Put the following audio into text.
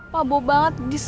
pabuh banget dis